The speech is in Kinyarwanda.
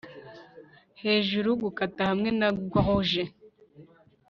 hejuru, gukata hamwe na grouge